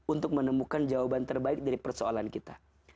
untuk menemukan jawaban terbaik dari persoalan kita